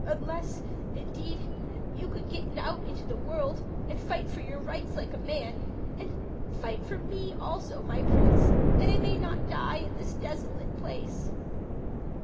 "Unless, indeed, you could get out into the world, and fight for your rights like a man. And fight for me also, my Prince, that I may not die in this desolate place."